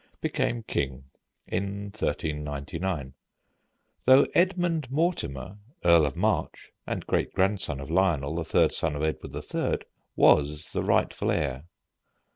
became king in 1399, though Edmund Mortimer, Earl of March, and great grandson of Lionel, the third son of Edward III., was the rightful heir.